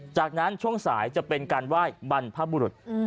จากนั้นช่วงสายจะเป็นการไหว้บรรพบุรุษ